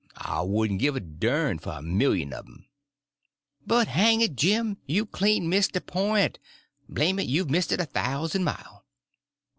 I wouldn' give a dern for a million un um." "But hang it, Jim, you've clean missed the point—blame it, you've missed it a thousand mile."